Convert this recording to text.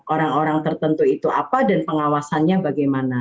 orang orang tertentu itu apa dan pengawasannya bagaimana